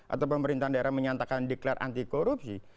atau pemerintahan daerah menyatakan declare anti korupsi